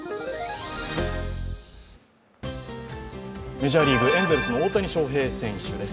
メジャーリーグ、エンゼルスの大谷翔平選手です。